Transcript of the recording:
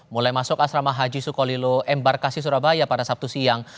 mulai masuk asrama haji sukolilo embarkasi surabaya pada sabtu siang